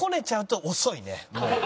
もう。